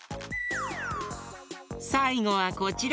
さいごはこちら。